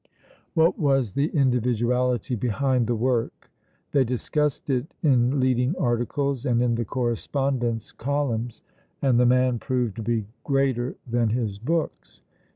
What was the individuality behind the work? They discussed it in leading articles and in the correspondence columns, and the man proved to be greater than his books.